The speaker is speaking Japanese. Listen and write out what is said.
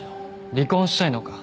離婚したいのか？